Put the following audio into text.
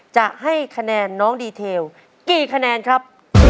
จะให้คะแนนน้องดีเทลกี่คะแนนครับ